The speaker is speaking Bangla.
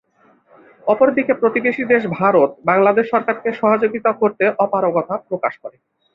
অপরদিকে প্রতিবেশী দেশ ভারত বাংলাদেশ সরকারকে সহযোগিতা করতে অপারগতা প্রকাশ করে।